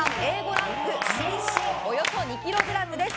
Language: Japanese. ランク芯々およそ２ｋｇです。